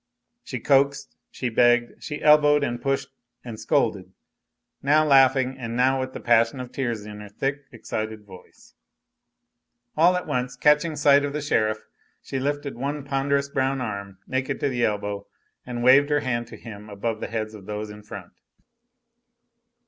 She coaxed, she begged, she elbowed and pushed and scolded, now laughing, and now with the passion of tears in her thick, excited voice. All at once, catching sight of the sheriff, she lifted one ponderous brown arm, naked to the elbow, and waved her hand to him above the heads of those in front.